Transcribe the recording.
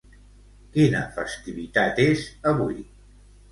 Quina festivitat és avui?